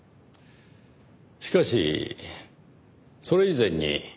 しかしそれ以前に。